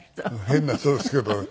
変な人ですけど。